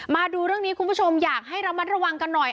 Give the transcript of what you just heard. มาดูเรื่องนี้คุณผู้ชมอยากให้ระมัดระวังกันหน่อย